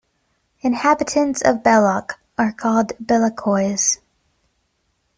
Inhabitants of Belloc are called "Bellocois".